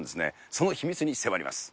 その秘密に迫ります。